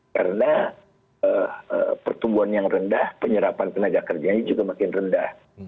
karena pertumbuhan yang rendah penyerapan penajak kerjanya juga semakin rendah